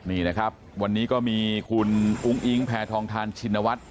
นี่นะครับวันนี้ก็มีคุณอุ้งอิงแพทองทานชินวัฒน์